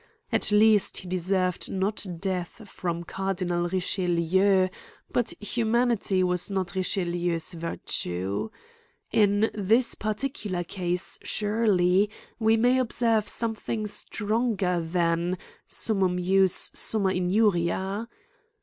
At least he deserv ed not death from Cardinal Richelieu ; but human ity was not Richelieu's virtue. In this particular case, surely, we may observe something stronger than, summumjusy summa injuria.